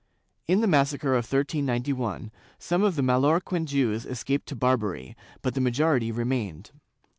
In the massacre of 1391, some of the Mallorquin Jews escaped to Barbary, but the majority remained.